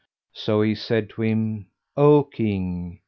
So he said to him, "O King!